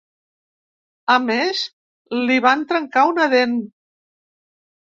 A més, li van trencar una dent.